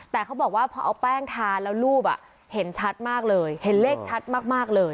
แต่เขาบอกว่าพอเอาแป้งทาแล้วรูปเห็นชัดมากเลยเห็นเลขชัดมากเลย